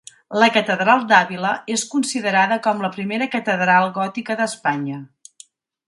La Catedral d'Àvila és considerada com la primera catedral gòtica d'Espanya.